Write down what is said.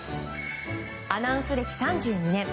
アナウンス歴３２年。